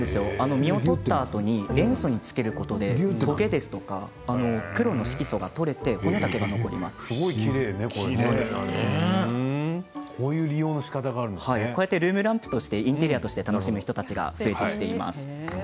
身を取ったあとに塩素につけるとトゲや黒の色素が取れてこういう利用のしかたがルームランプとしてインテリアとして楽しむ人たちが増えてきています。